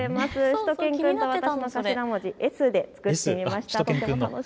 しゅと犬くんの頭文字、Ｓで作ってみました。